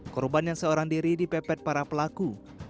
korban yang seorang diri dipepet para pelaku